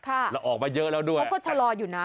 ค่ะแล้วออกมาเยอะแล้วด้วยแต่มันก็ชะลออยู่นะ